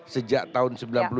sejak tahun sembilan puluh delapan